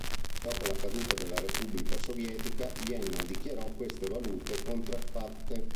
Dopo la caduta della repubblica sovietica, Vienna dichiarò queste valute contraffatte.